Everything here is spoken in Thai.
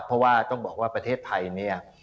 เพราะว่าต้องบอกว่าประเทศไทยเนี่ย